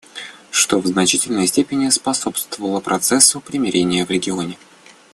Это в значительной степени способствовало процессу примирения в регионе.